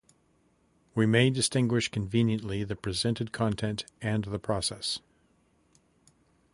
We may distinguish conveniently the presented content and the process.